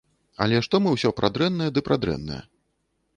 Але што мы ўсё пра дрэннае ды пра дрэннае?